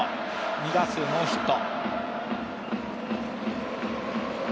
２打数ノーヒット。